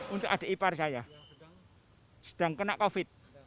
untuk adik ipar saya sedang kena covid